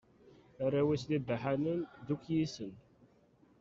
Arraw-is d ibaḥanen, d ukyisen.